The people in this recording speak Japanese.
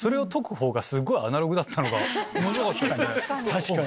確かに！